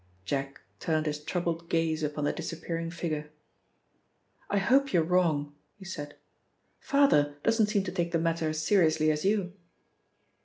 Jack turned his troubled gaze upon the disappearing figure. "I hope you're wrong," he said. "Father doesn't seem to take the matter as seriously as you."